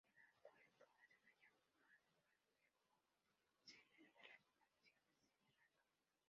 El acuerdo hace un llamado para un diálogo serio entre las facciones en Irak.